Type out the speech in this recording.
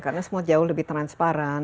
karena semua jauh lebih transparan